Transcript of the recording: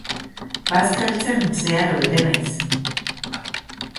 Bazkaltzen zeharo bete naiz.